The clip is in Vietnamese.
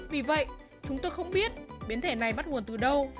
vì vậy chúng tôi không biết biến thể này bắt nguồn từ đâu